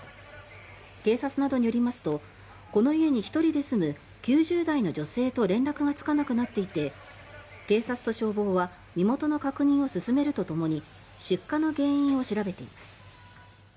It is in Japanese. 警察などによりますとこの家に１人で住む９０代の女性と連絡がつかなくなっていて警察と消防は身元の確認を進めるとともに出火の原因を調べています。